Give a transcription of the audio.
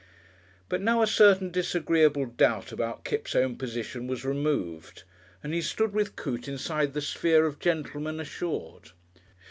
But now a certain disagreeable doubt about Kipps' own position was removed and he stood with Coote inside the sphere of gentlemen assured.